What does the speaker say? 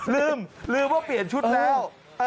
ลืมลืมว่าเปลี่ยนชุดแล้ว